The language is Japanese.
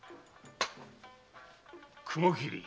雲切。